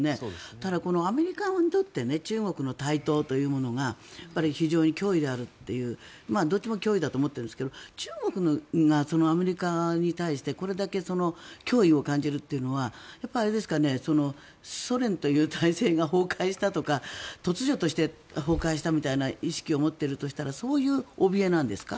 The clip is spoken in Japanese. ただこのアメリカにとって中国の台頭というものが非常に脅威であるというどっちも脅威だと思ってるんですけど中国がアメリカ側に対してこれだけ脅威を感じるというのはやっぱりあれですかねソ連という体制が崩壊したとか突如として崩壊したみたいな意識を持っているとしたらそういうおびえなんですか。